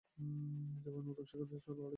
যেভাবে তুমি সৈকতে লড়াই করেছিলে?